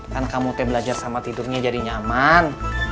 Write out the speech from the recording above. kan kamu belajar sama tidurnya jadi nyaman